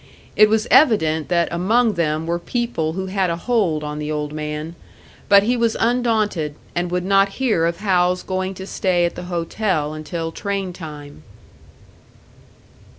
It was evident that among them were people who had a hold on the old man; but he was undaunted, and would not hear of Hal's going to stay at the hotel until train time.